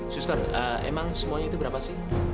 suster emang semuanya itu berapa sih